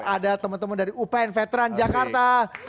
ada teman teman dari upn veteran jakarta